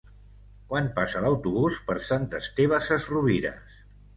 Quan passa l'autobús per Sant Esteve Sesrovires?